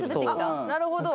なるほど。